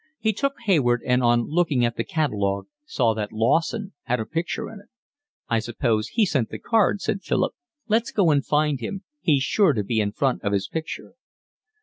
He took Hayward, and, on looking at the catalogue, saw that Lawson had a picture in it. "I suppose he sent the card," said Philip. "Let's go and find him, he's sure to be in front of his picture."